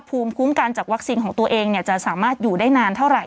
ภูมิคุ้มกันจากวัคซีนของตัวเองจะสามารถอยู่ได้นานเท่าไหร่